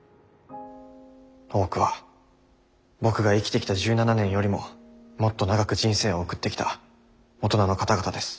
多くは僕が生きてきた１７年よりももっと長く人生を送ってきた大人の方々です。